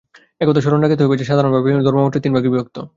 এ-কথা স্মরণ রাখিতে হইবে যে, সাধারণভাবে ধর্মমাত্রই তিন ভাগে বিভক্ত।